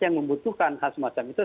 yang membutuhkan hal semacam itu